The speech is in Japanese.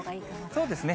そうですね。